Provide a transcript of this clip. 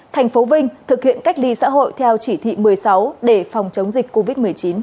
thành phố vinh thực hiện cách ly xã hội theo chỉ thị một mươi sáu để phòng chống dịch covid một mươi chín